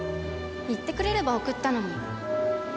言ってくれれば送ったのに。